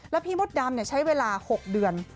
แล้วพี่มดดำใช้เวลา๖เดือน